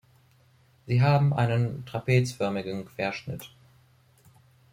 Sie haben einen trapezförmigen Querschnitt.